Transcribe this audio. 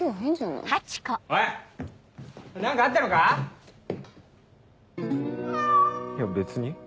いや別に。